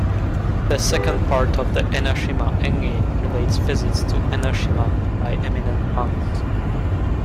The second part of the "Enoshima Engi" relates visits to Enoshima by eminent monks.